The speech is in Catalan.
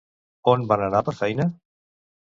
On va anar per feina?